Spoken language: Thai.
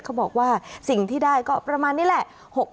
เขาบอกว่าสิ่งที่ได้ก็ประมาณนี้แหละ